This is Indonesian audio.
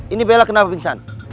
ini bela kenapa pingsan